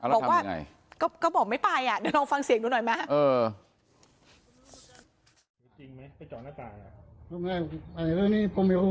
เอาแล้วทำยังไง